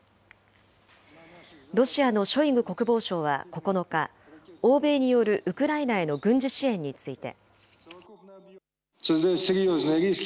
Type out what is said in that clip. ロシアのショイグ国防相は９日、欧米によるウクライナへの軍事支援について。